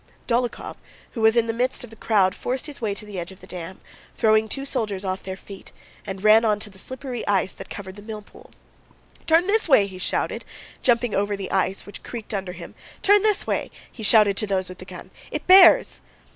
Dólokhov who was in the midst of the crowd forced his way to the edge of the dam, throwing two soldiers off their feet, and ran onto the slippery ice that covered the millpool. "Turn this way!" he shouted, jumping over the ice which creaked under him; "turn this way!" he shouted to those with the gun. "It bears!..."